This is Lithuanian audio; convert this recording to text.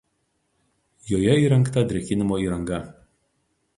Joje įrengta drėkinimo įranga.